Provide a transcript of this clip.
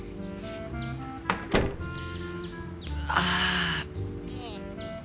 ああ。